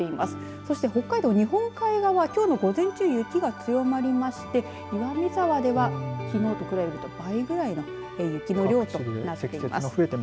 そして北海道、日本海側きょうの午前中雪が強まりまして岩見沢では、きのうと比べると倍ぐらいの雪の量になっています。